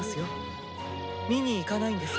見に行かないんですか？